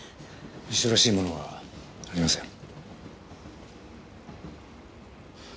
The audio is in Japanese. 遺書らしいものはありません。